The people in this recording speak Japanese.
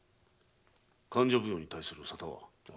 勘定奉行に対する沙汰は？